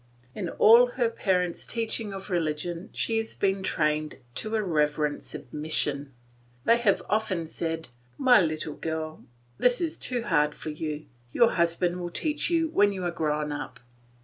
In all her parents' teaching of religion she has been trained to a reverent submission; they have often said, "My little girl, this is too hard for you; your husband will teach you when you are grown up."